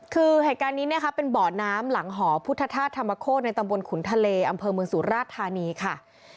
คือเหตุการณ์นี้เป็นบ่อน้ำหลังหอพุทธธาตุธรรมโคตรในตำบลขุนทะเลอำเภอเมืองสุราชธานีค่ะ